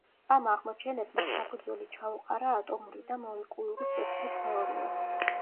ამ აღმოჩენებმა საფუძველი ჩაუყარა ატომური და მოლეკულური სპექტრის თეორიას.